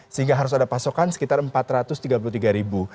sehingga harus ada pasokan sekitar empat ratus tiga puluh tiga ribu